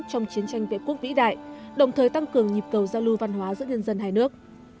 trong chiến tranh vệ quốc vĩ đại đồng thời tăng cường nhịp cầu giao lưu văn hóa giữa nhân dân hai nước